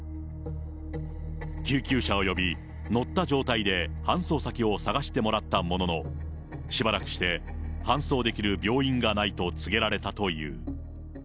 救急車を呼び、乗った状態で搬送先を探してもらったものの、しばらくして、搬送できる病院がないと告げられたという。